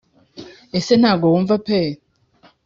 ese ntago wumva pe